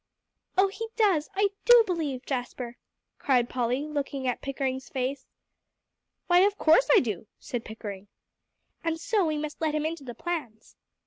"Oh, he does, I do believe, Jasper," cried Polly, looking at Pickering's face. "Why, of course I do," said Pickering. "And so we must let him into the plans."